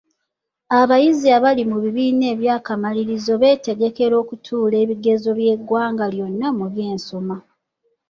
Abayizi abali mu bibiina eby'akamalirizo beetegekekera okutuula ebigezo by'eggwanga lyonna mu by'ensoma.